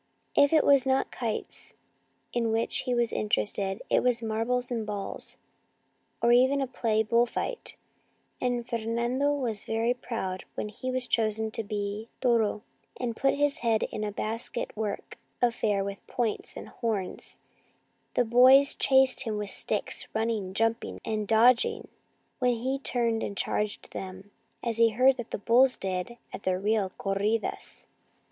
If it was not kites in which he was interested, it was marbles and ball, or even a play bull fight ; and Fernando was very proud when he To the Country 89 was chosen to be " toro," and put his head in a basketwork affair with points like horns, and the boys chased him with sticks, running, jump ing, and dodging when he turned and charged them as he had heard that the bulls did at the real corridas.